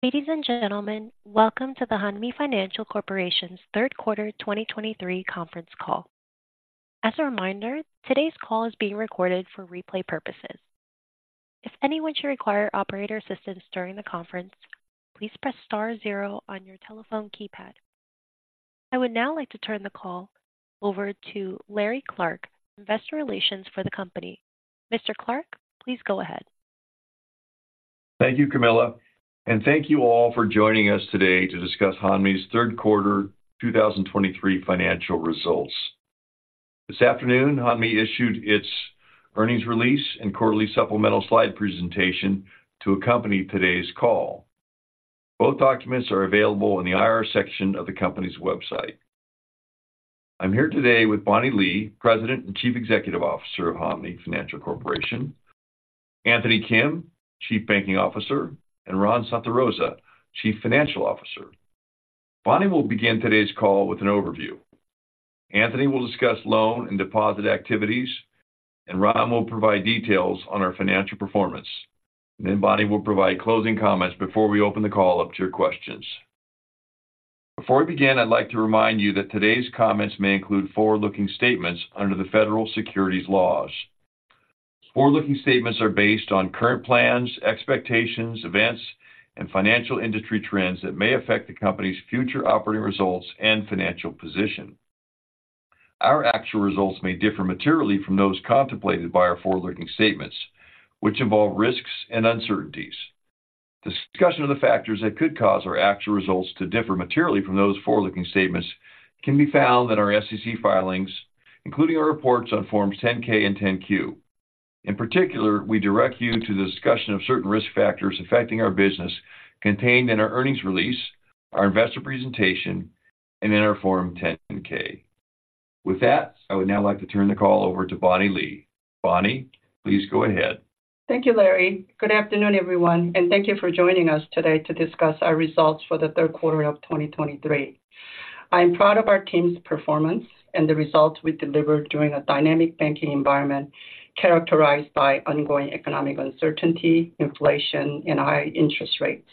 Ladies and gentlemen, welcome to the Hanmi Financial Corporation's third quarter 2023 conference call. As a reminder, today's call is being recorded for replay purposes. If anyone should require operator assistance during the conference, please press star zero on your telephone keypad. I would now like to turn the call over to Larry Clark, Investor Relations for the company. Mr. Clark, please go ahead. Thank you, Camilla, and thank you all for joining us today to discuss Hanmi's third quarter 2023 financial results. This afternoon, Hanmi issued its earnings release and quarterly supplemental slide presentation to accompany today's call. Both documents are available in the IR section of the company's website. I'm here today with Bonnie Lee, President and Chief Executive Officer of Hanmi Financial Corporation, Anthony Kim, Chief Banking Officer, and Ron Santarosa, Chief Financial Officer. Bonnie will begin today's call with an overview. Anthony will discuss loan and deposit activities, and Ron will provide details on our financial performance. Then Bonnie will provide closing comments before we open the call up to your questions. Before we begin, I'd like to remind you that today's comments may include forward-looking statements under the federal securities laws. Forward-looking statements are based on current plans, expectations, events, and financial industry trends that may affect the company's future operating results and financial position. Our actual results may differ materially from those contemplated by our forward-looking statements, which involve risks and uncertainties. Discussion of the factors that could cause our actual results to differ materially from those forward-looking statements can be found in our SEC filings, including our reports on Forms 10-K and 10-Q. In particular, we direct you to the discussion of certain risk factors affecting our business contained in our earnings release, our investor presentation, and in our Form 10-K. With that, I would now like to turn the call over to Bonnie Lee. Bonnie, please go ahead. Thank you, Larry. Good afternoon, everyone, and thank you for joining us today to discuss our results for the third quarter of 2023. I'm proud of our team's performance and the results we delivered during a dynamic banking environment characterized by ongoing economic uncertainty, inflation, and high interest rates.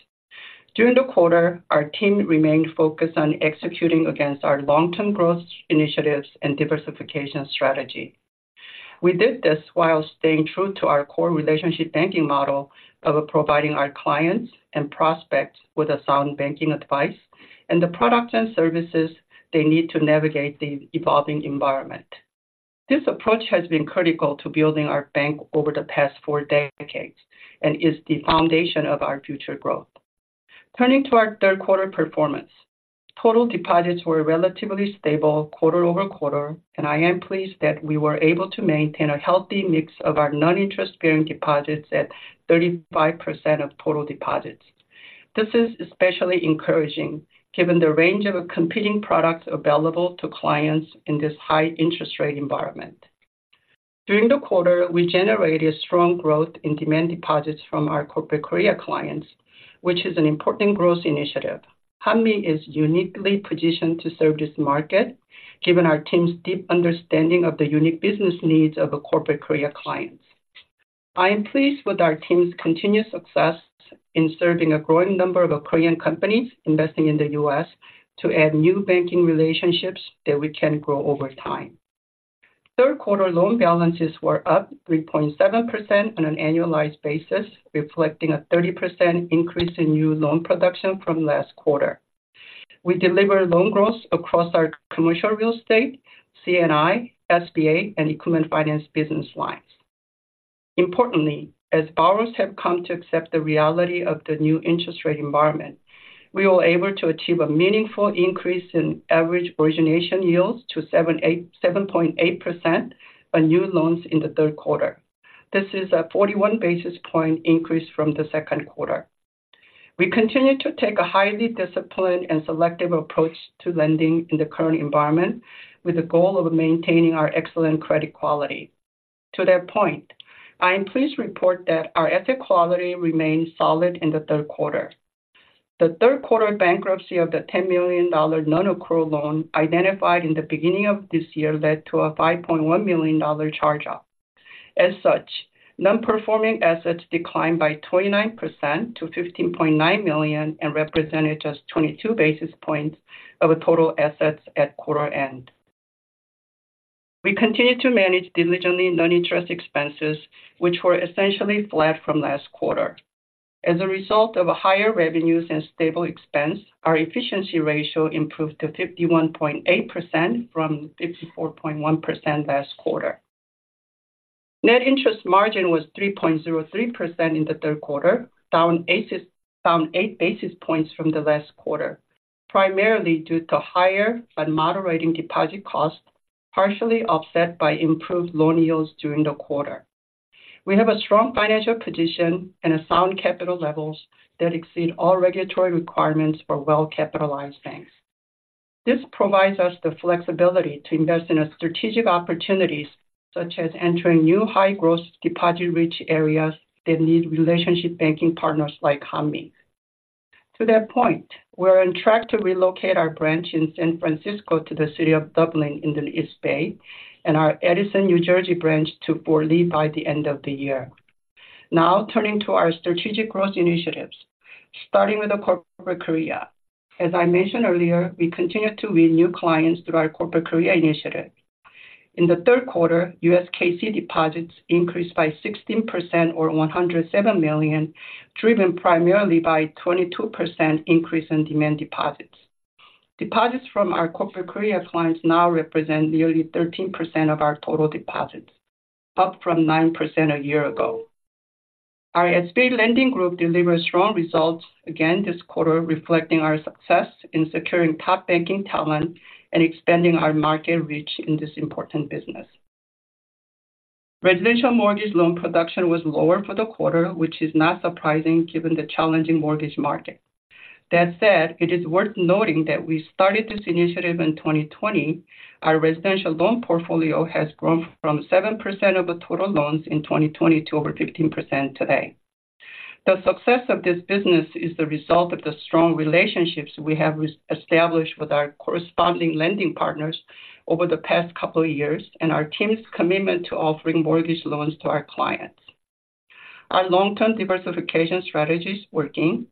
During the quarter, our team remained focused on executing against our long-term growth initiatives and diversification strategy. We did this while staying true to our core relationship banking model of providing our clients and prospects with a sound banking advice and the products and services they need to navigate the evolving environment. This approach has been critical to building our bank over the past four decades and is the foundation of our future growth. Turning to our third quarter performance. Total deposits were relatively stable quarter-over-quarter, and I am pleased that we were able to maintain a healthy mix of our non-interest-bearing deposits at 35% of total deposits. This is especially encouraging, given the range of competing products available to clients in this high interest rate environment. During the quarter, we generated strong growth in demand deposits from our Corporate Korea clients, which is an important growth initiative. Hanmi is uniquely positioned to serve this market, given our team's deep understanding of the unique business needs of Corporate Korea clients. I am pleased with our team's continuous success in serving a growing number of Korean companies investing in the U.S. to add new banking relationships that we can grow over time. Third quarter loan balances were up 3.7% on an annualized basis, reflecting a 30% increase in new loan production from last quarter. We delivered loan growth across our commercial real estate, C&I, SBA, and equipment finance business lines. Importantly, as borrowers have come to accept the reality of the new interest rate environment, we were able to achieve a meaningful increase in average origination yields to 7.8% on new loans in the third quarter. This is a 41 basis point increase from the second quarter. We continue to take a highly disciplined and selective approach to lending in the current environment, with the goal of maintaining our excellent credit quality. To that point, I am pleased to report that our asset quality remains solid in the third quarter. The third quarter bankruptcy of the $10 million non-accrual loan identified in the beginning of this year led to a $5.1 million charge-off. As such, non-performing assets declined by 29% to $15.9 million and represented just 22 basis points of total assets at quarter end. We continued to manage diligently non-interest expenses, which were essentially flat from last quarter. As a result of higher revenues and stable expense, our efficiency ratio improved to 51.8% from 54.1% last quarter. Net interest margin was 3.03% in the third quarter, down eight basis points from the last quarter, primarily due to higher but moderating deposit costs, partially offset by improved loan yields during the quarter. We have a strong financial position and a sound capital levels that exceed all regulatory requirements for well-capitalized banks. This provides us the flexibility to invest in strategic opportunities, such as entering new high-growth, deposit-rich areas that need relationship banking partners like Hanmi. To that point, we're on track to relocate our branch in San Francisco to the city of Dublin in the East Bay and our Edison, New Jersey branch to Fort Lee by the end of the year. Now turning to our strategic growth initiatives, starting with the Corporate Korea. As I mentioned earlier, we continue to win new clients through our Corporate Korea initiative. In the third quarter, U.S. KC deposits increased by 16% or $107 million, driven primarily by 22% increase in demand deposits. Deposits from our Corporate Korea clients now represent nearly 13% of our total deposits, up from 9% a year ago. Our SBA lending group delivered strong results again this quarter, reflecting our success in securing top banking talent and expanding our market reach in this important business. Residential mortgage loan production was lower for the quarter, which is not surprising given the challenging mortgage market. That said, it is worth noting that we started this initiative in 2020. Our residential loan portfolio has grown from 7% of the total loans in 2020 to over 15% today. The success of this business is the result of the strong relationships we have established with our corresponding lending partners over the past couple of years, and our team's commitment to offering mortgage loans to our clients. Our long-term diversification strategy is working.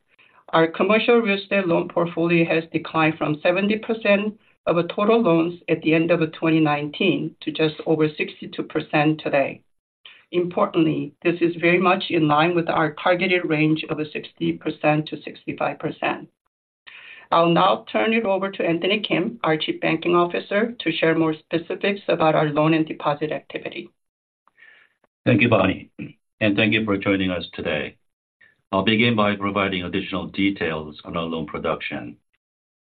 Our commercial real estate loan portfolio has declined from 70% of total loans at the end of 2019 to just over 62% today. Importantly, this is very much in line with our targeted range of 60%-65%. I'll now turn it over to Anthony Kim, our Chief Banking Officer, to share more specifics about our loan and deposit activity. Thank you, Bonnie, and thank you for joining us today. I'll begin by providing additional details on our loan production.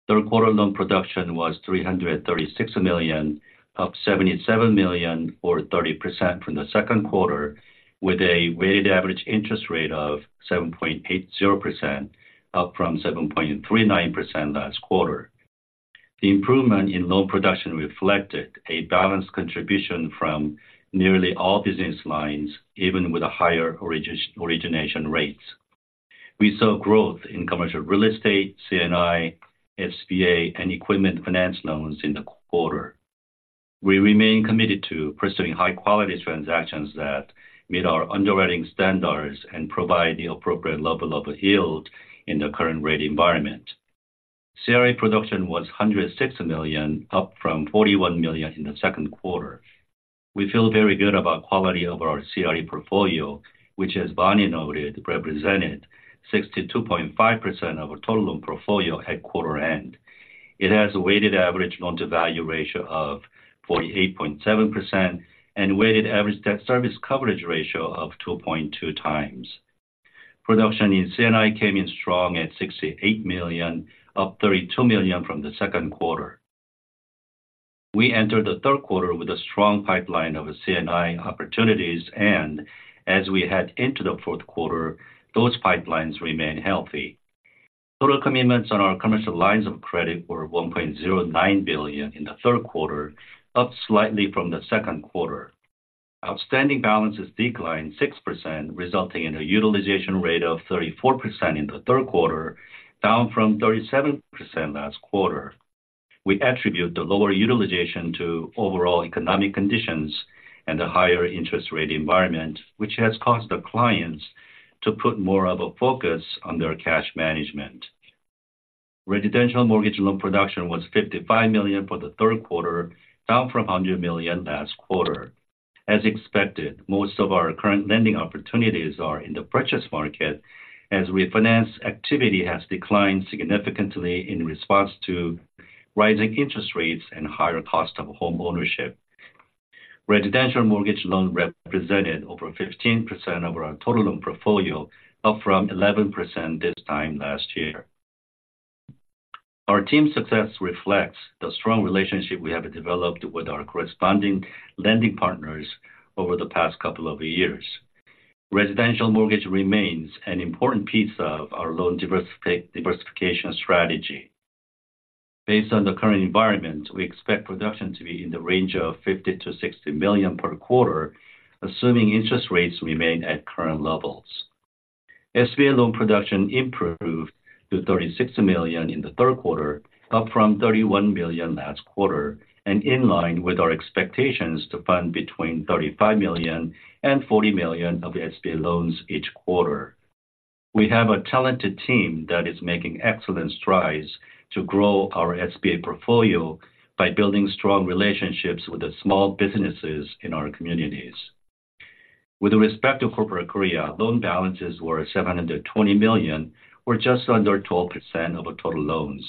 Third quarter loan production was $336 million, up $77 million or 30% from the second quarter, with a weighted average interest rate of 7.80%, up from 7.39% last quarter. The improvement in loan production reflected a balanced contribution from nearly all business lines, even with a higher origination rates. We saw growth in commercial real estate, C&I, SBA, and equipment finance loans in the quarter. We remain committed to pursuing high-quality transactions that meet our underwriting standards and provide the appropriate level of yield in the current rate environment. CRE production was $106 million, up from $41 million in the second quarter. We feel very good about quality of our CRE portfolio, which, as Bonnie noted, represented 62.5% of our total loan portfolio at quarter end. It has a weighted average loan-to-value ratio of 48.7% and a weighted average debt service coverage ratio of 2.2x. Production in C&I came in strong at $68 million, up $32 million from the second quarter. We entered the third quarter with a strong pipeline of C&I opportunities, and as we head into the fourth quarter, those pipelines remain healthy. Total commitments on our commercial lines of credit were $1.09 billion in the third quarter, up slightly from the second quarter. Outstanding balances declined 6%, resulting in a utilization rate of 34% in the third quarter, down from 37% last quarter. We attribute the lower utilization to overall economic conditions and the higher interest rate environment, which has caused the clients to put more of a focus on their cash management. Residential mortgage loan production was $55 million for the third quarter, down from $100 million last quarter. As expected, most of our current lending opportunities are in the purchase market, as refinance activity has declined significantly in response to rising interest rates and higher cost of homeownership. Residential mortgage loans represented over 15% of our total loan portfolio, up from 11% this time last year. Our team's success reflects the strong relationship we have developed with our corresponding lending partners over the past couple of years. Residential mortgage remains an important piece of our loan diversification strategy. Based on the current environment, we expect production to be in the range of $50 million-$60 million per quarter, assuming interest rates remain at current levels. SBA loan production improved to $36 million in the third quarter, up from $31 million last quarter, and in line with our expectations to fund between $35 million and $40 million of SBA loans each quarter. We have a talented team that is making excellent strides to grow our SBA portfolio by building strong relationships with the small businesses in our communities. With respect to Corporate Korea, loan balances were $720 million, or just under 12% of the total loans.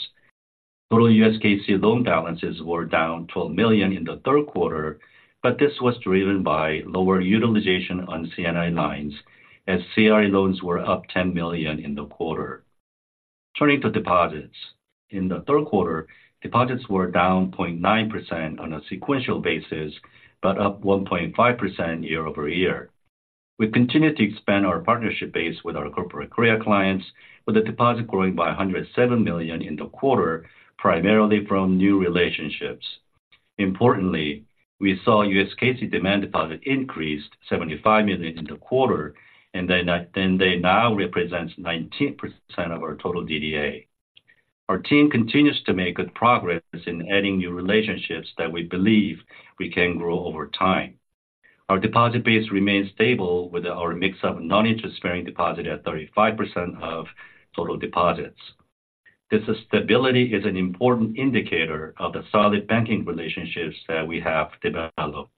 Total U.S. KC loan balances were down $12 million in the third quarter, but this was driven by lower utilization on C&I lines, as CRE loans were up $10 million in the quarter. Turning to deposits. In the third quarter, deposits were down 0.9% on a sequential basis, but up 1.5% year-over-year. We continue to expand our partnership base with our Corporate Korea clients, with the deposit growing by $107 million in the quarter, primarily from new relationships. Importantly, we saw U.S. KC demand deposit increased $75 million in the quarter, and they now represents 19% of our total DDA. Our team continues to make good progress in adding new relationships that we believe we can grow over time. Our deposit base remains stable with our mix of non-interest bearing deposit at 35% of total deposits. This stability is an important indicator of the solid banking relationships that we have developed.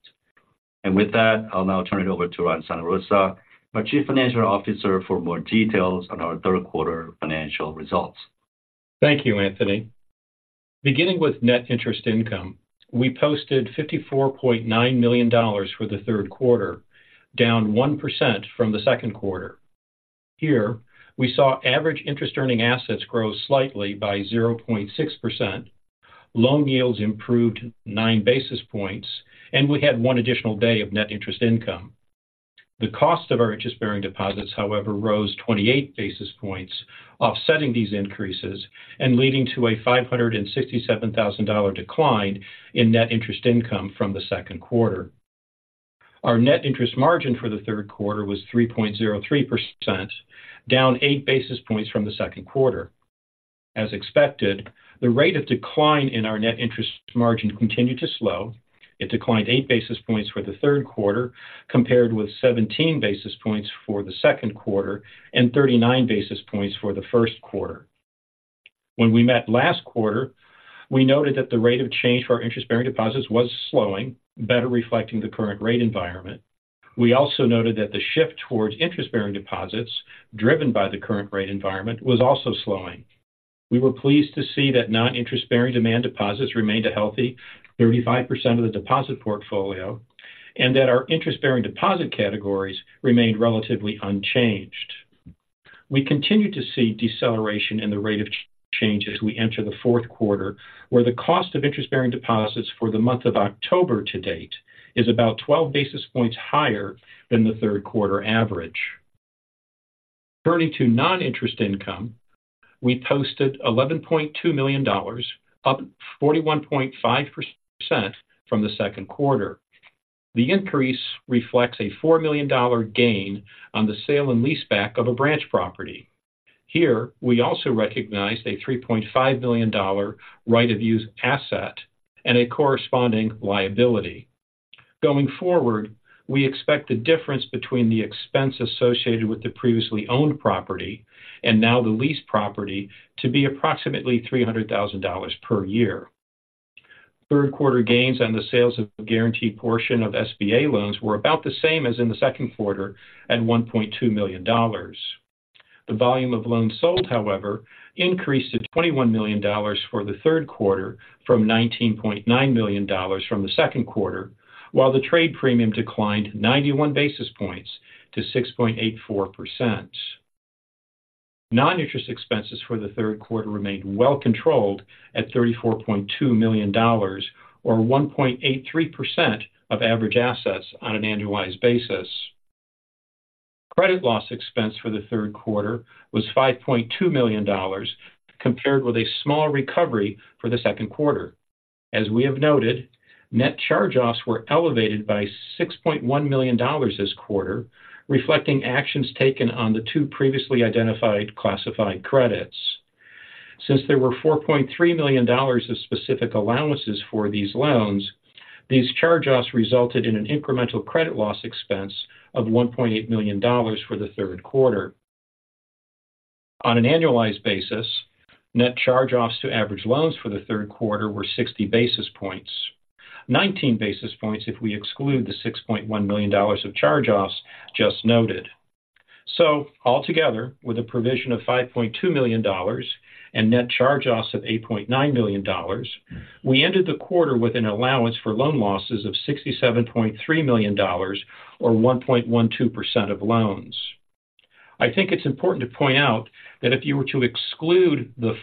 With that, I'll now turn it over to Ron Santarosa, our Chief Financial Officer, for more details on our third quarter financial results. Thank you, Anthony. Beginning with net interest income, we posted $54.9 million for the third quarter, down 1% from the second quarter. Here, we saw average interest earning assets grow slightly by 0.6%. Loan yields improved 9 basis points, and we had one additional day of net interest income. The cost of our interest-bearing deposits, however, rose 28 basis points, offsetting these increases and leading to a $567 thousand decline in net interest income from the second quarter. Our net interest margin for the third quarter was 3.03%, down 8 basis points from the second quarter. As expected, the rate of decline in our net interest margin continued to slow. It declined 8 basis points for the third quarter, compared with 17 basis points for the second quarter and 39 basis points for the first quarter. When we met last quarter, we noted that the rate of change for our interest-bearing deposits was slowing, better reflecting the current rate environment. We also noted that the shift towards interest-bearing deposits, driven by the current rate environment, was also slowing. We were pleased to see that non-interest-bearing demand deposits remained a healthy 35% of the deposit portfolio and that our interest-bearing deposit categories remained relatively unchanged. We continue to see deceleration in the rate of change as we enter the fourth quarter, where the cost of interest-bearing deposits for the month of October to date is about 12 basis points higher than the third quarter average. Turning to non-interest income, we posted $11.2 million, up 41.5% from the second quarter. The increase reflects a $4 million gain on the sale and leaseback of a branch property. Here, we also recognized a $3.5 million right of use asset and a corresponding liability. Going forward, we expect the difference between the expense associated with the previously owned property and now the leased property to be approximately $300,000 per year. Third quarter gains on the sales of guaranteed portion of SBA loans were about the same as in the second quarter at $1.2 million. The volume of loans sold, however, increased to $21 million for the third quarter from $19.9 million from the second quarter, while the trade premium declined 91 basis points to 6.84%. Non-interest expenses for the third quarter remained well controlled at $34.2 million, or 1.83% of average assets on an annualized basis. Credit loss expense for the third quarter was $5.2 million, compared with a small recovery for the second quarter. As we have noted, net charge-offs were elevated by $6.1 million this quarter, reflecting actions taken on the two previously identified classified credits. Since there were $4.3 million of specific allowances for these loans, these charge-offs resulted in an incremental credit loss expense of $1.8 million for the third quarter. On an annualized basis, net charge-offs to average loans for the third quarter were 60 basis points. 19 basis points if we exclude the $6.1 million of charge-offs just noted. So altogether, with a provision of $5.2 million and net charge-offs of $8.9 million, we ended the quarter with an allowance for loan losses of $67.3 million or 1.12% of loans. I think it's important to point out that if you were to exclude the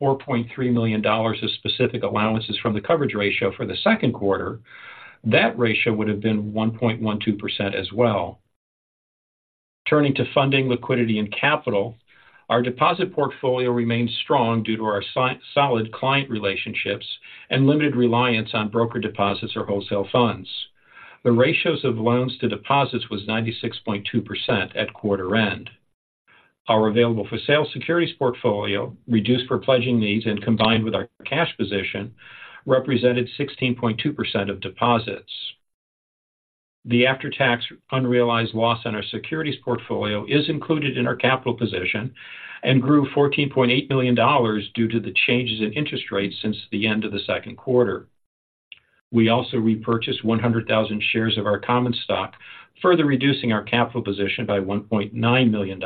$4.3 million of specific allowances from the coverage ratio for the second quarter, that ratio would have been 1.12% as well. Turning to funding, liquidity, and capital, our deposit portfolio remains strong due to our solid client relationships and limited reliance on broker deposits or wholesale funds. The ratios of loans to deposits was 96.2% at quarter end. Our available-for-sale securities portfolio, reduced for pledging needs and combined with our cash position, represented 16.2% of deposits. The after-tax unrealized loss on our securities portfolio is included in our capital position and grew $14.8 million due to the changes in interest rates since the end of the second quarter. We also repurchased 100,000 shares of our common stock, further reducing our capital position by $1.9 million.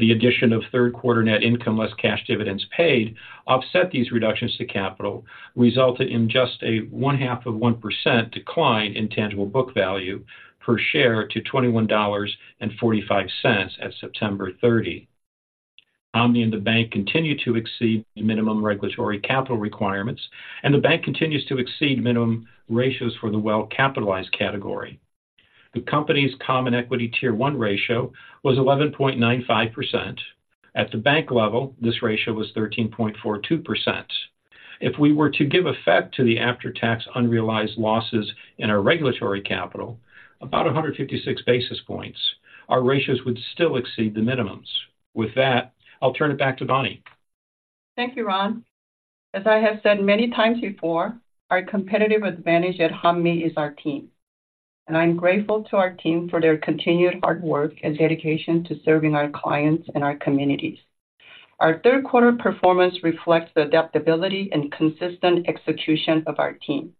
The addition of third quarter net income less cash dividends paid offset these reductions to capital, resulting in just a 0.5% decline in tangible book value per share to $21.45 at September 30th. Hanmi and the bank continue to exceed the minimum regulatory capital requirements, and the bank continues to exceed minimum ratios for the well-capitalized category. The company's common equity Tier 1 ratio was 11.95%. At the bank level, this ratio was 13.42%.... If we were to give effect to the after-tax unrealized losses in our regulatory capital, about 156 basis points, our ratios would still exceed the minimums. With that, I'll turn it back to Bonnie. Thank you, Ron. As I have said many times before, our competitive advantage at Hanmi is our team, and I'm grateful to our team for their continued hard work and dedication to serving our clients and our communities. Our third quarter performance reflects the adaptability and consistent execution of our team.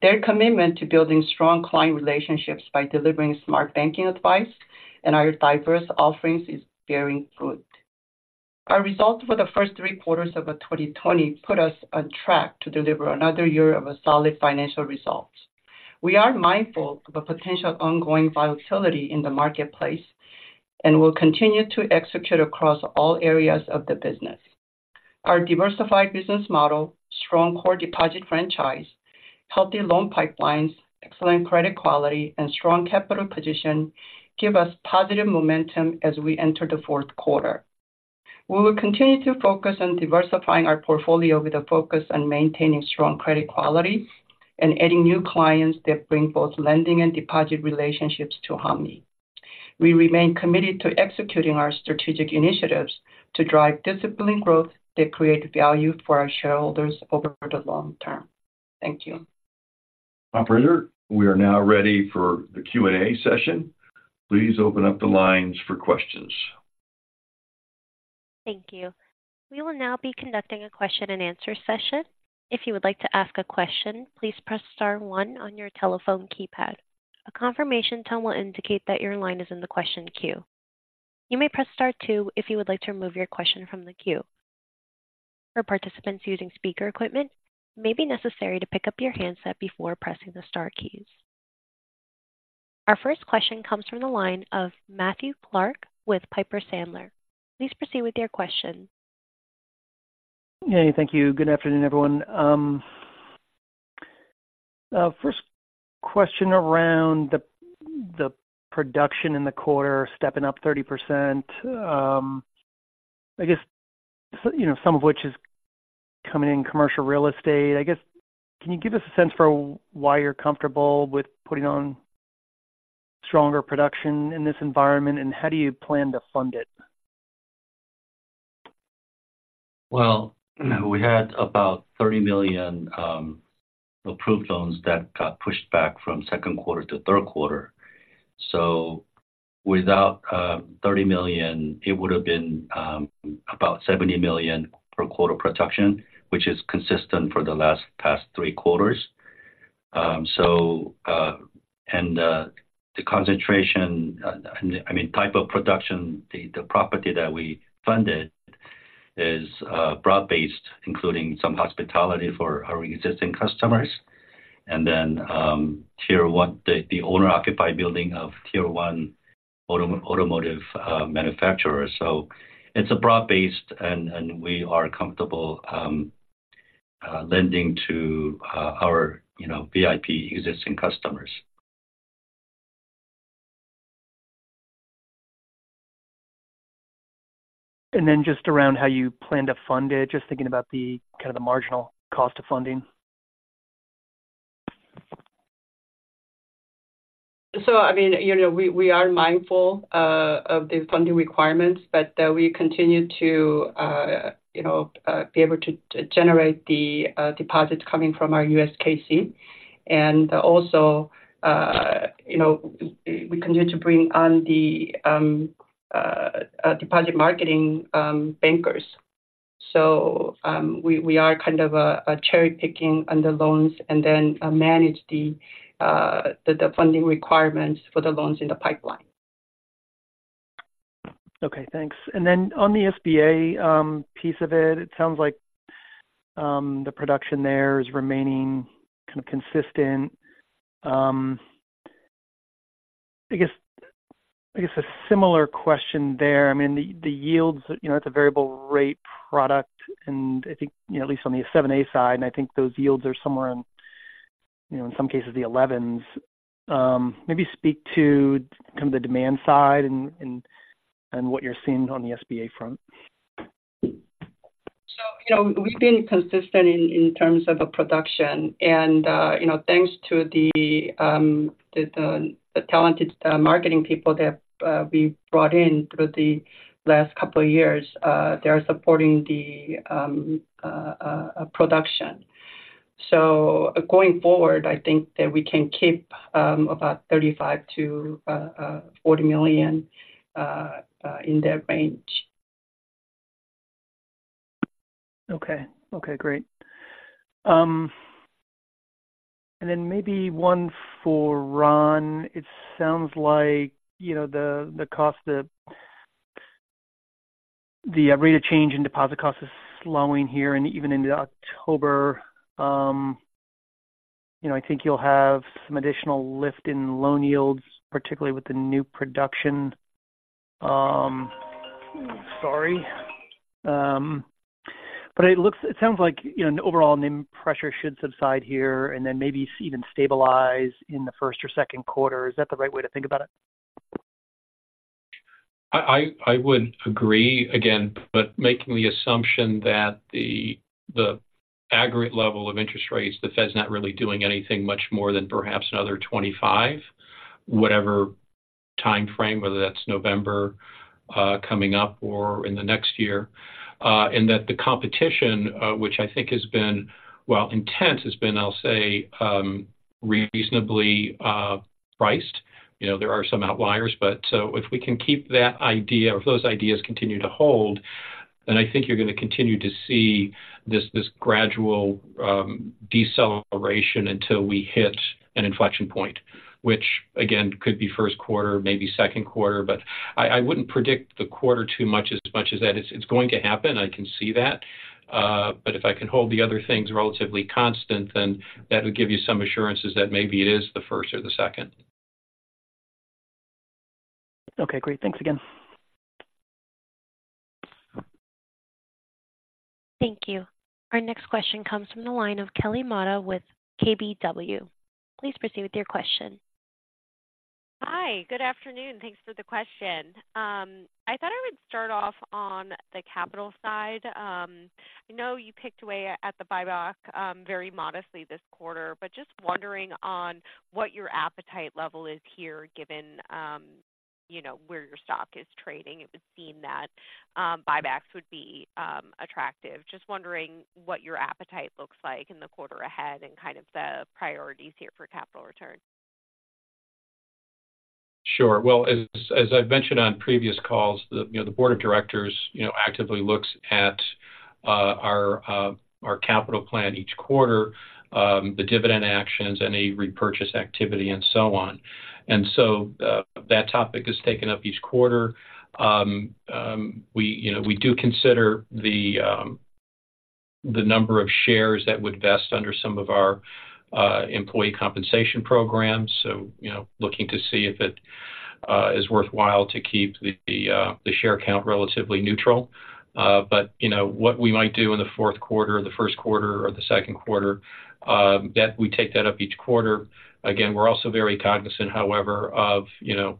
Their commitment to building strong client relationships by delivering smart banking advice and our diverse offerings is bearing fruit. Our results for the first three quarters of 2020 put us on track to deliver another year of a solid financial results. We are mindful of the potential ongoing volatility in the marketplace and will continue to execute across all areas of the business. Our diversified business model, strong core deposit franchise, healthy loan pipelines, excellent credit quality, and strong capital position give us positive momentum as we enter the fourth quarter. We will continue to focus on diversifying our portfolio with a focus on maintaining strong credit quality and adding new clients that bring both lending and deposit relationships to Hanmi. We remain committed to executing our strategic initiatives to drive disciplined growth that create value for our shareholders over the long term. Thank you. Operator, we are now ready for the Q&A session. Please open up the lines for questions. Thank you. We will now be conducting a Q&A session. If you would like to ask a question, please press star one on your telephone keypad. A confirmation tone will indicate that your line is in the question queue. You may press star two if you would like to remove your question from the queue. For participants using speaker equipment, it may be necessary to pick up your handset before pressing the star keys. Our first question comes from the line of Matthew Clark with Piper Sandler. Please proceed with your question. Hey, thank you. Good afternoon, everyone. First question around the production in the quarter, stepping up 30%. I guess, you know, some of which is coming in commercial real estate. I guess, can you give us a sense for why you're comfortable with putting on stronger production in this environment, and how do you plan to fund it? Well, we had about $30 million approved loans that got pushed back from second quarter to third quarter. So without $30 million, it would have been about $70 million per quarter production, which is consistent for the last past three quarters. So, and, the concentration, I mean, type of production, the property that we funded is broad-based, including some hospitality for our existing customers, and then, Tier 1, the owner-occupied building of Tier 1 automotive manufacturers. So it's a broad-based, and, and we are comfortable lending to our, you know, VIP existing customers. And then just around how you plan to fund it, just thinking about the kind of the marginal cost of funding. So, I mean, you know, we are mindful of the funding requirements, but we continue to, you know, be able to generate the deposits coming from our U.S. KC. And also, you know, we continue to bring on the deposit marketing bankers. So, we are kind of cherry-picking on the loans and then manage the funding requirements for the loans in the pipeline. Okay, thanks. And then on the SBA piece of it, it sounds like the production there is remaining kind of consistent. I guess, I guess a similar question there. I mean, the, the yields, you know, it's a variable rate product, and I think, you know, at least on the 7(a) side, and I think those yields are somewhere in, you know, in some cases, the 11s. Maybe speak to kind of the demand side and, and, and what you're seeing on the SBA front. So, you know, we've been consistent in terms of the production, and you know, thanks to the talented marketing people that we brought in through the last couple of years, they're supporting the production. So going forward, I think that we can keep about $35 million-$40 million in that range. Okay. Okay, great. And then maybe one for Ron. It sounds like, you know, the cost of the rate of change in deposit cost is slowing here and even into October. You know, I think you'll have some additional lift in loan yields, particularly with the new production. Sorry. But it looks, it sounds like, you know, an overall NIM pressure should subside here and then maybe even stabilize in the first or second quarter. Is that the right way to think about it?... I would agree again, but making the assumption that the aggregate level of interest rates, the Fed's not really doing anything much more than perhaps another 25, whatever time frame, whether that's November coming up or in the next year. And that the competition, which I think has been, while intense, has been, I'll say, reasonably priced. You know, there are some outliers, but so if we can keep that idea or if those ideas continue to hold, then I think you're going to continue to see this gradual deceleration until we hit an inflection point, which, again, could be first quarter, maybe second quarter. But I wouldn't predict the quarter too much, as much as that it's going to happen. I can see that. But if I can hold the other things relatively constant, then that would give you some assurances that maybe it is the first or the second. Okay, great. Thanks again. Thank you. Our next question comes from the line of Kelly Motta with KBW. Please proceed with your question. Hi, good afternoon. Thanks for the question. I thought I would start off on the capital side. I know you picked away at the buyback, very modestly this quarter, but just wondering on what your appetite level is here, given, you know, where your stock is trading, it would seem that buybacks would be attractive. Just wondering what your appetite looks like in the quarter ahead and kind of the priorities here for capital return. Sure. Well, as I've mentioned on previous calls, the, you know, the board of directors, you know, actively looks at our capital plan each quarter, the dividend actions, any repurchase activity, and so on. So, that topic is taken up each quarter. We, you know, we do consider the number of shares that would vest under some of our employee compensation programs. So, you know, looking to see if it is worthwhile to keep the share count relatively neutral. But, you know, what we might do in the fourth quarter or the first quarter or the second quarter, that we take that up each quarter. Again, we're also very cognizant, however, of, you know,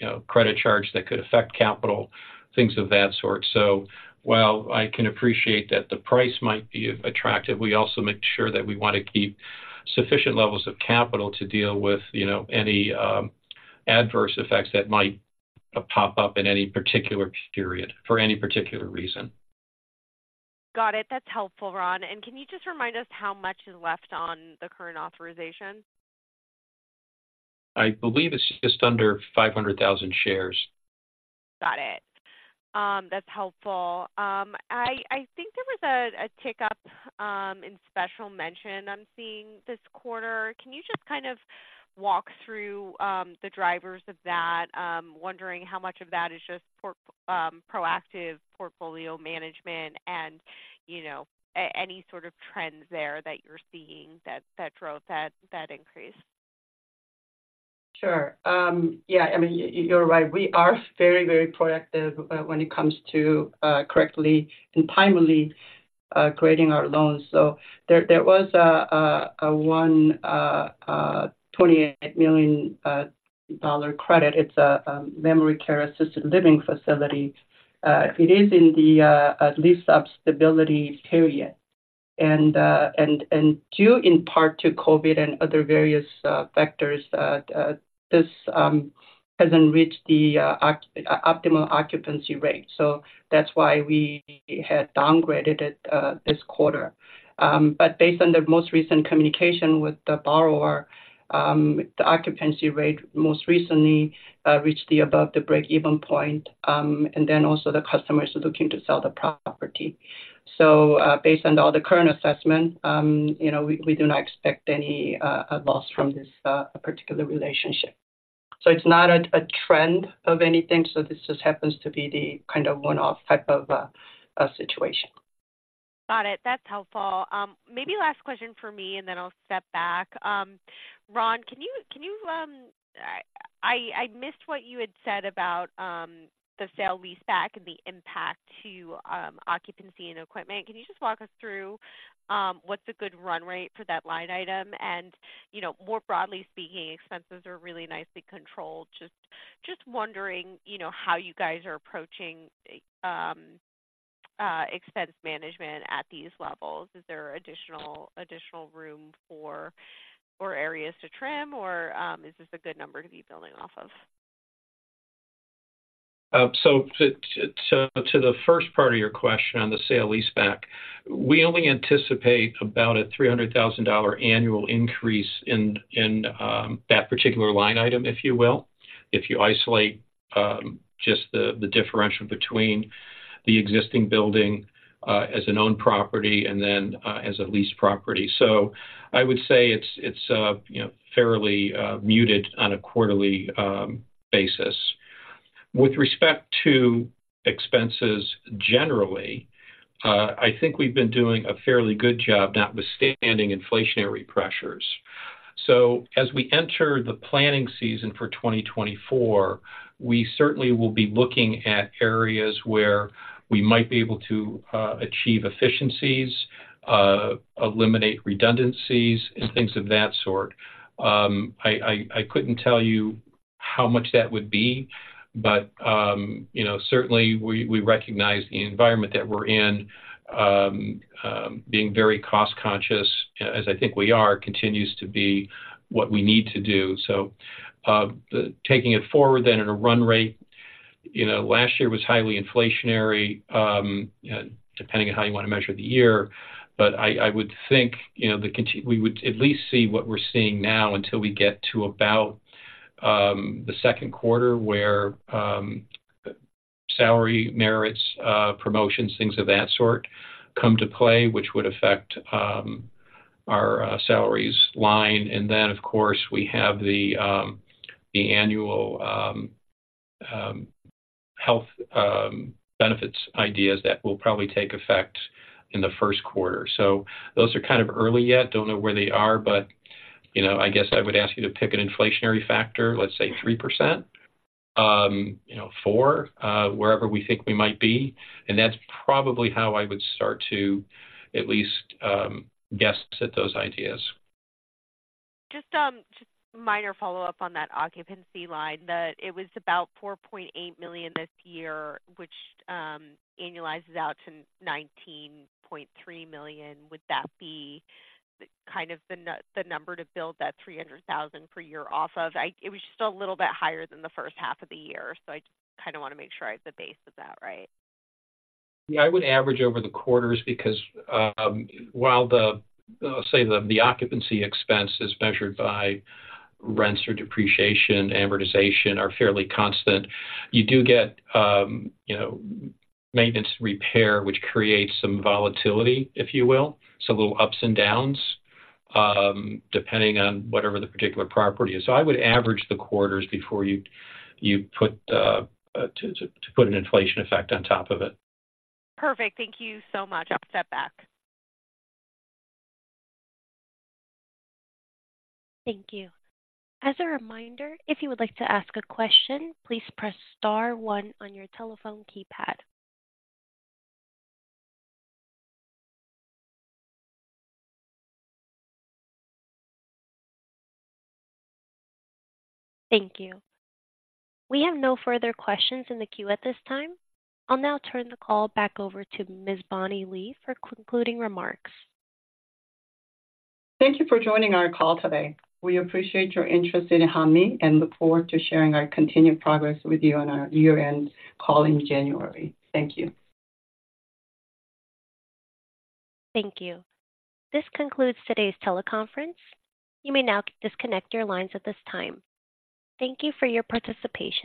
you know, credit charge that could affect capital, things of that sort. So while I can appreciate that the price might be attractive, we also make sure that we want to keep sufficient levels of capital to deal with, you know, any adverse effects that might pop up in any particular period for any particular reason. Got it. That's helpful, Ron. Can you just remind us how much is left on the current authorization? I believe it's just under 500,000 shares. Got it. That's helpful. I think there was a tick-up in special mention I'm seeing this quarter. Can you just kind of walk through the drivers of that? Wondering how much of that is just proactive portfolio management and, you know, any sort of trends there that you're seeing that drove that increase? Sure. Yeah, I mean, you're right. We are very, very proactive when it comes to correctly and timely creating our loans. So there was a $128 million credit. It's a memory care assisted living facility. It is in the lease-up stability period. And due in part to COVID and other various factors, this hasn't reached the optimal occupancy rate. So that's why we had downgraded it this quarter. But based on the most recent communication with the borrower, the occupancy rate most recently reached above the break-even point. And then also the customer is looking to sell the property. So, based on all the current assessment, you know, we do not expect any loss from this particular relationship. So it's not a trend of anything. So this just happens to be the kind of one-off type of situation. Got it. That's helpful. Maybe last question for me, and then I'll step back. Ron, can you... I missed what you had said about the sale-leaseback and the impact to occupancy and equipment. Can you just walk us through what's a good run rate for that line item? And, you know, more broadly speaking, expenses are really nicely controlled. Just wondering, you know, how you guys are approaching expense management at these levels. Is there additional room for areas to trim or is this a good number to be building off of? So to the first part of your question on the sale-leaseback, we only anticipate about a $300,000 annual increase in that particular line item, if you will. If you isolate just the differential between the existing building as an owned property and then as a leased property. So I would say it's you know fairly muted on a quarterly basis. With respect to expenses, generally, I think we've been doing a fairly good job, notwithstanding inflationary pressures. So as we enter the planning season for 2024, we certainly will be looking at areas where we might be able to achieve efficiencies. Eliminate redundancies and things of that sort. I couldn't tell you how much that would be, but you know, certainly we recognize the environment that we're in, being very cost conscious, as I think we are, continues to be what we need to do. So, taking it forward then at a run rate, you know, last year was highly inflationary, depending on how you want to measure the year. But I would think, you know, we would at least see what we're seeing now until we get to about the second quarter, where salary merits, promotions, things of that sort, come to play, which would affect our salaries line. And then, of course, we have the annual health benefits ideas that will probably take effect in the first quarter. So those are kind of early yet. Don't know where they are, but, you know, I guess I would ask you to pick an inflationary factor, let's say 3%, you know, 4%, wherever we think we might be. And that's probably how I would start to at least guess at those ideas. Just, just minor follow-up on that occupancy line, that it was about $4.8 million this year, which annualizes out to $19.3 million. Would that be kind of the number to build that $300,000 per year off of? I... It was just a little bit higher than the first half of the year, so I just kinda want to make sure I have the base of that right. Yeah, I would average over the quarters because while the occupancy expense is measured by rents or depreciation, amortization are fairly constant. You do get, you know, maintenance, repair, which creates some volatility, if you will, so little ups and downs depending on whatever the particular property is. So I would average the quarters before you put an inflation effect on top of it. Perfect. Thank you so much. I'll step back. Thank you. As a reminder, if you would like to ask a question, please press star one on your telephone keypad. Thank you. We have no further questions in the queue at this time. I'll now turn the call back over to Ms. Bonnie Lee for concluding remarks. Thank you for joining our call today. We appreciate your interest in Hanmi and look forward to sharing our continued progress with you on our year-end call in January. Thank you. Thank you. This concludes today's teleconference. You may now disconnect your lines at this time. Thank you for your participation.